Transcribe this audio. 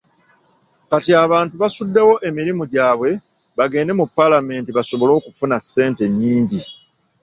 Kati abantu basuddewo emirimu gyabwe bagende mu Paalamenti basobole okufuna ssente ennyingi.